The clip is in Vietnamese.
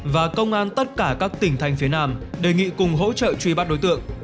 và công an tất cả các tỉnh thành phía nam đề nghị cùng hỗ trợ truy bắt đối tượng